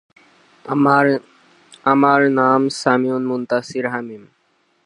Yerevan state medical university উদ্যানটি দক্ষিণ প্রান্তে অবস্থিত।